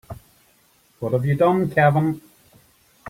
What have you done Kevin?